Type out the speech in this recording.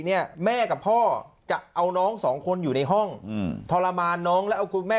เนี่ยแม่กับพ่อจะเอาน้องสองคนอยู่ในห้องอืมทรมานน้องแล้วเอาคุณแม่